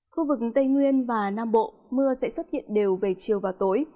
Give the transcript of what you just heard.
khu vực tây nguyên và nam bộ mưa sẽ xuất hiện đều về chiều và tối